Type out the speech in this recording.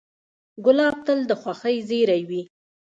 ګلاب تل د خوښۍ زېری وي.